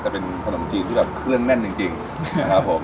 แต่เป็นขนมจีนที่แบบเครื่องแน่นจริงนะครับผม